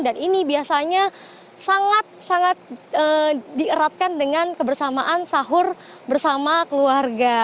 dan ini biasanya sangat sangat dierapkan dengan kebersamaan sahur bersama keluarga